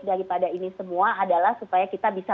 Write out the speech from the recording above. daripada ini semua adalah supaya kita bisa